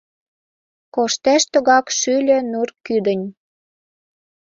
Коштеш тугак шӱльӧ нур кӱдынь